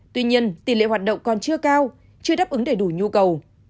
tuy nhiên tỷ lệ hoạt động còn chưa cao chưa đáp ứng đầy đủ nhu cầu